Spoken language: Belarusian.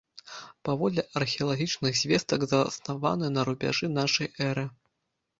Паводле археалагічных звестак заснаваны на рубяжы нашай эры.